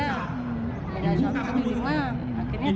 akhirnya tinggal di masjid